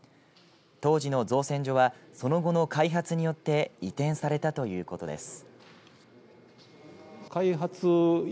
当時の造船所はその後の開発によって移転されたということです。